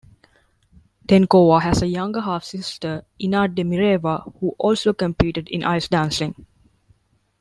Denkova has a younger half-sister, Ina Demireva, who also competed in ice dancing.